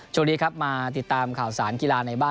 ช่วงนี้ครับมาติดตามข่าวสารกีฬาในบ้าน